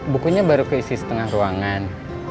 bukunya baru keisi setengah ruangan